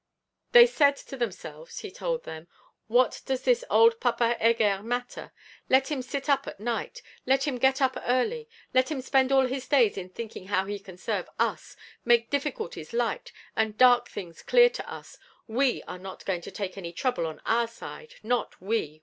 'They said to themselves,' he told them: '"What does this old Papa Heger matter? Let him sit up at night, let him get up early, let him spend all his days in thinking how he can serve us, make difficulties light, and dark things clear to us. We are not going to take any trouble on our side, not we!